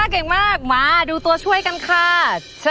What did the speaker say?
เก่งมากมาดูตัวช่วยกันค่ะ